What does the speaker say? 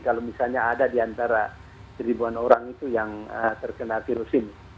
kalau misalnya ada di antara seribuan orang itu yang terkena virus ini